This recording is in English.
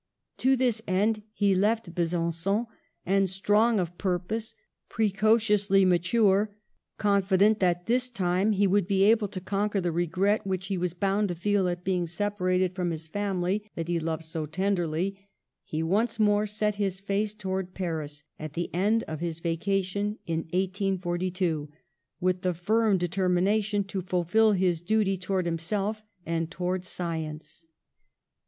To this end he left Besangon, and, strong of purpose, precociously mature, confident that this time he would be able to conquer the re gret which he was bound to feel at being sepa rated from the family that he loved so ten derly, he once more set his face towards Paris, at the end of his vacation in 1842, with the firm determination to fulfil his duty towards himself and towards science.